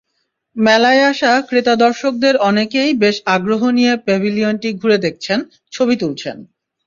মেলায় আসা ক্রেতা-দর্শকদের অনেকেই বেশ আগ্রহ নিয়ে প্যাভিলিয়নটি ঘুরে দেখছেন, ছবি তুলছেন।